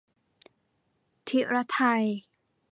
ถิรไทย